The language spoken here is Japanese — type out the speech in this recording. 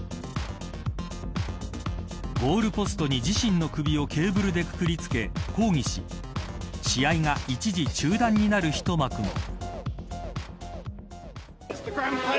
ゴールポストに自身の首をケーブルでくくりつけ抗議し試合が一時中断になる一幕も。